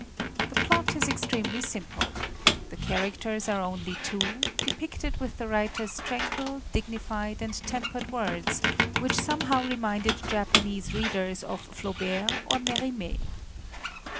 The plot is extremely sim ple; the characters are only two, de picted with the writer's tranquil, digni fied and tempered words which some how reminded Japanese readers of Flaubert or Merimee.